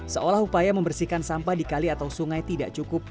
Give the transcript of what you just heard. seolah upaya membersihkan sampah di kali atau sungai tidak cukup